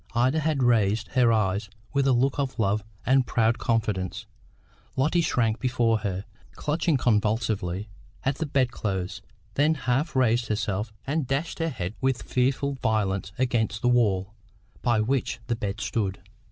Ida had raised her eyes with a look of love and proud confidence. Lotty shrank before her, clutched convulsively at the bed clothes, then half raised herself and dashed her head with fearful violence against the wall by which the bed stood.